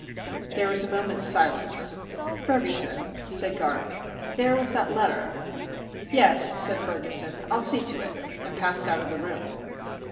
There was a moment's silence. "Ferguson," said Garth, "there was that letter." "Yes," said Ferguson, "I'll see to it," and passed out of the room.